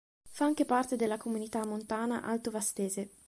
Fa anche parte della Comunità montana Alto Vastese.